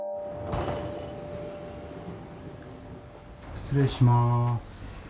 失礼します。